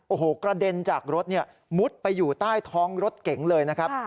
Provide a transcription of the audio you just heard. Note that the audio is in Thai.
โอ้โหกระเด็นจากรถมุดไปอยู่ใต้ท้องรถเก๋งเลยนะครับ